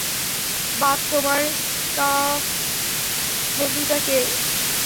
বাক, তোমার স্কাঙ্ক বন্ধুটা কে?